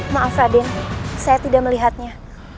maaf raden saya tidak melihatnya